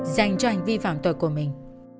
dành cho hành vi phạm tội của mình